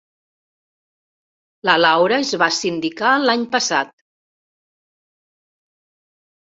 La Laura es va sindicar l'any passat.